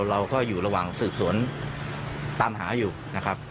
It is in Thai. เราก็อยู่ระหว่างสืบสวนตามหาอยู่นะครับ